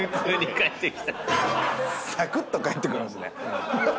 さくっと帰ってくるんすね。